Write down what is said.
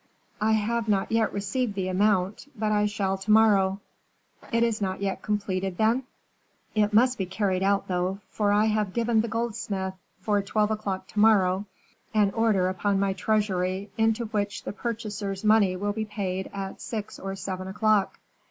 "I have not yet received the amount, but I shall to morrow." "It is not yet completed, then?" "It must be carried out, though; for I have given the goldsmith, for twelve o'clock to morrow, an order upon my treasury, into which the purchaser's money will be paid at six or seven o'clock."